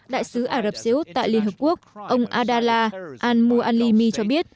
đại sứ ả rập xê út tại liên hợp quốc ông adala al mu alimi cho biết